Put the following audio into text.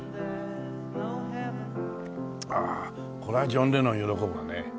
ああこれはジョン・レノン喜ぶわね。